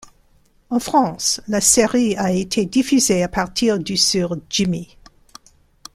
En France, la série a été diffusée à partir du sur Jimmy.